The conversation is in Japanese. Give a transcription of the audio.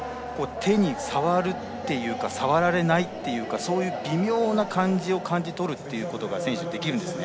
手に触るというか触られないというかそういう微妙な感じを感じ取ることが選手、できるんですね。